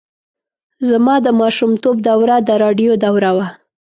زما د ماشومتوب دوره د راډیو دوره وه.